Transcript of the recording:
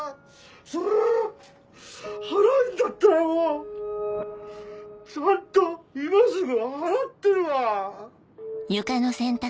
そりゃあ払えるんだったらもうちゃんと今すぐ払ってるわ。